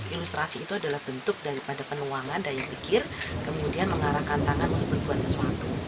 ilustrasi itu adalah bentuk daripada penuangan daya pikir kemudian mengarahkan tangan untuk berbuat sesuatu